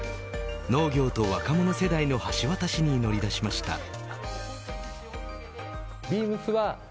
農業と若者世代の橋渡しに乗り出しました。